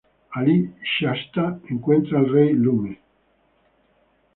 Allí, Shasta encuentra al Rey Lune.